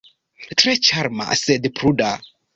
Tre ĉarma, sed pruda.